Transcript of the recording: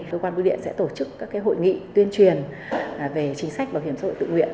cơ quan bưu điện sẽ tổ chức các hội nghị tuyên truyền về chính sách bảo hiểm xã hội tự nguyện